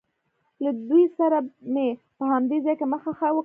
له دوی سره مې په همدې ځای کې مخه ښه وکړ.